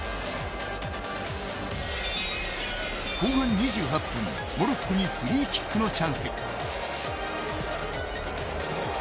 後半２８分、モロッコにフリーキックにチャンス。